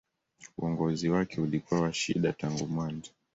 Uongozi wake ulikuwa wa shida tangu mwanzo.